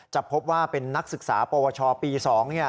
จะพบว่าเป็นนักศึกษาปวชปี๒